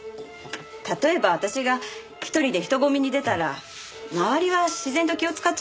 例えば私が１人で人混みに出たら周りは自然と気を使っちゃいますよね？